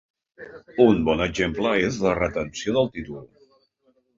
Un bon exemple és la retenció del títol.